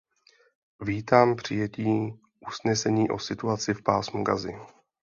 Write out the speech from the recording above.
Vítám přijetí usnesení o situaci v pásmu Gazy.